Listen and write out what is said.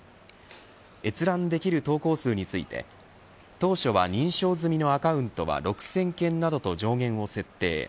閲覧できる投稿数については当初は、認証済みのアカウントは６０００件などと上限を設定。